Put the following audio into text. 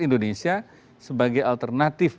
indonesia sebagai alternatif